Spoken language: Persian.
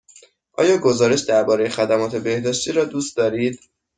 آیا گزارش درباره خدمات بهداشتی را دوست داشتید؟